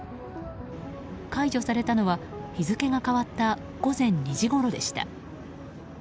解除されたのは日付が変わった午前２時ごろでした。